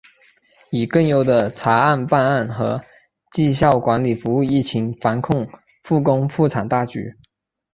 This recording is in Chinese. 以更优的检察办案和绩效管理服务疫情防控、复工复产大局